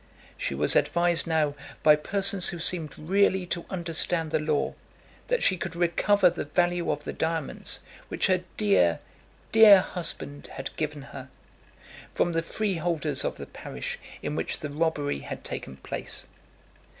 She was advised now by persons who seemed really to understand the law, that she could recover the value of the diamonds which her dear, dear husband had given her, from the freeholders of the parish in which the robbery had taken place.